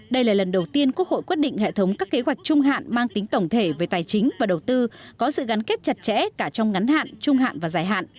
đây là lần đầu tiên quốc hội quyết định hệ thống các kế hoạch trung hạn mang tính tổng thể về tài chính và đầu tư có sự gắn kết chặt chẽ cả trong ngắn hạn trung hạn và dài hạn